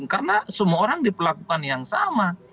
karena semua orang diperlakukan yang sama